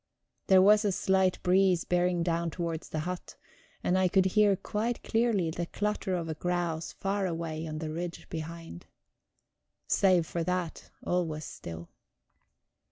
There was a slight breeze bearing down towards the hut, and I could hear quite clearly the clutter of a grouse far away on the ridge behind. Save for that, all was still.